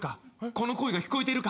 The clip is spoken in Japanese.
この声が聞こえているか？